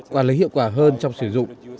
quản lý hiệu quả hơn trong sử dụng